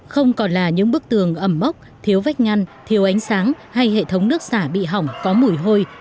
không còn là những bức tường ẩm mốc thiếu vách ngăn thiếu ánh sáng hay hệ thống nước xả bị hỏng có mùi hôi